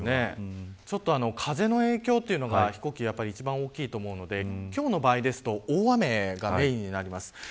風の影響というのが飛行機は一番大きいと思うので今日の場合ですと大雨がメーンになります。